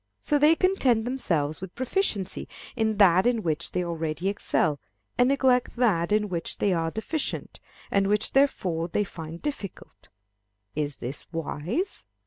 So they content themselves with proficiency in that in which they already excel, and neglect that in which they are deficient, and which therefore they find difficult. Is this wise?